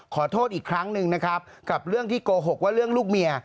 ขอโทษอีกครั้งหนึ่งนะครับกับเรื่องที่โกหกว่าเรื่องลูกเมีย